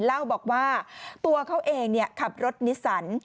เล่าบอกว่าตัวเขาเองขับรถนิสสัน